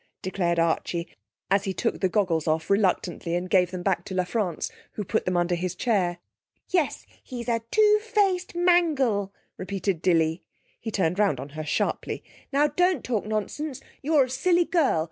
declared Archie, as he took the goggles off reluctantly and gave them back to La France, who put them under his chair. 'Yes, he's a two faced mangle,' repeated Dilly. He turned round on her sharply. 'Now, don't talk nonsense! You're a silly girl.